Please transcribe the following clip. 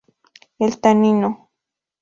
El tanino.